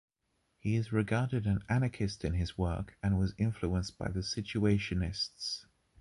He is regarded an anarchist in his work and was influenced by the Situationists.